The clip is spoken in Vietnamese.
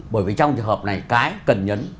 bởi vì trong trường hợp này cái cần nhấn